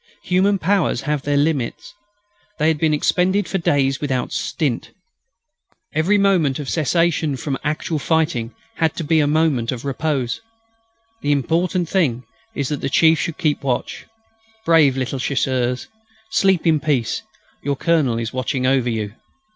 Human powers have their limits. They had been expended for days without stint. Every moment of cessation from actual fighting had to be a moment of repose. The important thing is that the chief should keep watch. Brave little Chasseurs! sleep in peace; your Colonel is watching over you.